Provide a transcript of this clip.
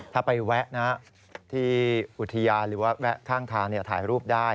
ถ้าไปแวะที่อุทยานหรือว่าแวะข้างทางถ่ายรูปได้